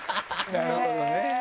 なるほどね。